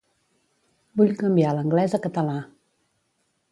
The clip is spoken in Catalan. Vull canviar l'anglès a català.